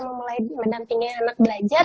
memulai mendampingi anak belajar